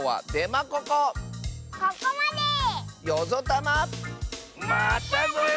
またぞよ！